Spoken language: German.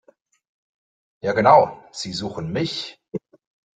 Ja genau, Sie suchen mich!